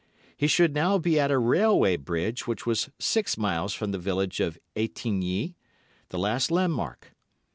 He should now be at a railway bridge, which was six miles from the village of Etigny, the last landmark.